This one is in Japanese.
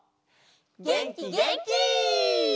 げんきげんき！